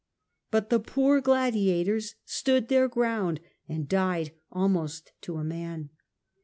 But the poor gladia tors stood their ground and died almost to a man.